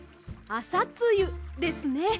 あさつゆですね。